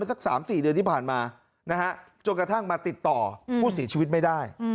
สัก๓๔เดือนที่ผ่านมานะฮะจนกระทั่งมาติดต่อผู้เสียชีวิตไม่ได้